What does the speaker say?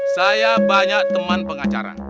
saya banyak teman pengacaran